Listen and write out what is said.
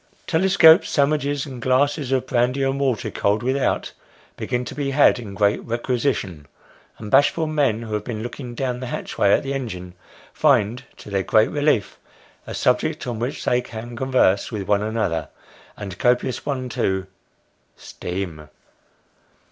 Telescopes, sandwiches, and glasses of brandy and water cold with out, begin to be in great requisition ; and bashful men who have been looking down the hatchway at the engine, find, to their great relief, a subject on which they can converse with one another and a copious one too Steam.